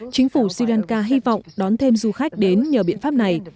chính phủ sri lanka hy vọng đón thêm du khách đến nhờ biện pháp này